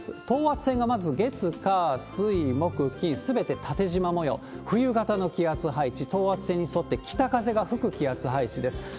等圧線がまず月、火、水、木、金、すべて縦じま模様、冬型の気圧配置、等圧線に添って北風が吹く気圧配置です。